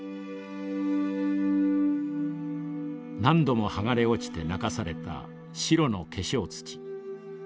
何度も剥がれ落ちて泣かされた白の化粧土。